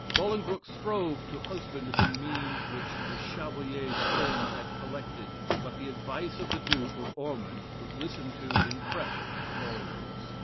Bolingbroke strove to husband the means which the Chevalier's friends had collected, but the advice of the Duke of Ormond was listened to in preference to Bolingbroke's.